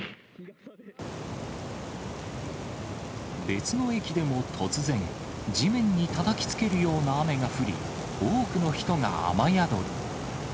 別の駅でも突然、地面にたたきつけるような雨が降り、多くの人が雨宿り。